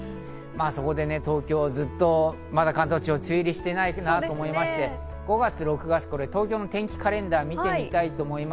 そこで東京、関東地方、まだ梅雨入りしていないなと思いまして、５月・６月、東京の天気カレンダーを見てみます。